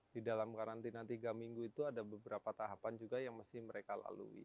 di dalam karantina tiga minggu itu ada beberapa tahapan juga yang mesti mereka lalui